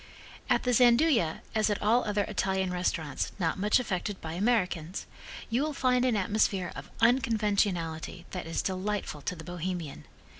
At the Gianduja, as at all other Italian restaurants not much affected by Americans, you will find an atmosphere of unconventionality that is delightful to the Bohemian.